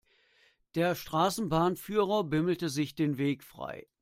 Der Straßenbahnführer bimmelte sich den Weg frei.